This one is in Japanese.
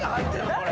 これ。